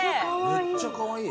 めっちゃかわいい。